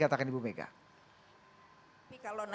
apa yang kemudian